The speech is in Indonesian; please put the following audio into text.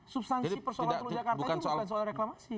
substansi persoalan terkait dengan jakarta itu bukan soal reklamasi